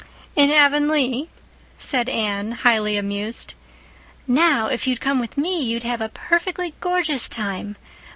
"In Avonlea?" said Anne, highly amused. "Now, if you'd come with me you'd have a perfectly gorgeous time.